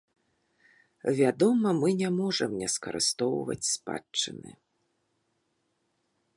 Вядома, мы не можам не скарыстоўваць спадчыны.